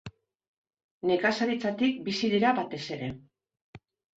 Nekazaritzatik bizi dira batez ere.